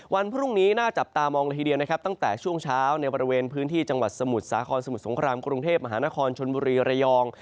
วันพรุ่งนี้น่าจับตามองละทีเดียวนะครับตั้งแต่ช่วงเช้าในบริเวณพื้นที่จังหวัดสมุทรสาครสมุทรสงครามกรุงเทพมหานครชนบุรีระยอง